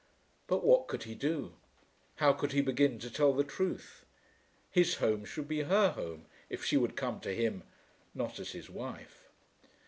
But what could he do? How could he begin to tell the truth? His home should be her home, if she would come to him, not as his wife.